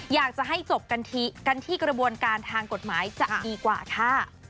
อยากจะให้จบกันที่กระบวนการทางกฎหมายจะดีกว่าค่ะ